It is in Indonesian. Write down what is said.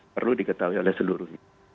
perlu diketahui oleh seluruh negara